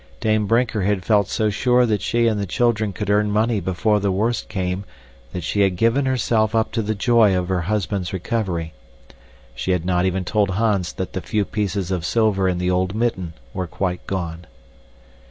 Dame Brinker had felt so sure that she and the children could earn money before the worst came that she had given herself up to the joy of her husband's recovery. She had not even told Hans that the few pieces of silver in the old mitten were quite gone.